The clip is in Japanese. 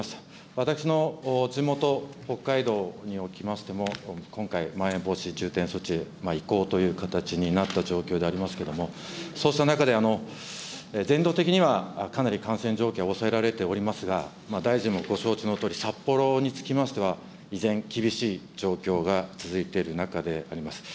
私の地元、北海道におきましても、今回、まん延防止重点措置移行という形になった状況でありますけれども、そうした中で、全道的にはかなり感染状況抑えられておりますが、大臣もご承知のとおり、札幌につきましては、依然、厳しい状況が続いている中であります。